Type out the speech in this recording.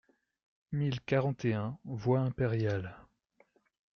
mille quarante et un voie Impériale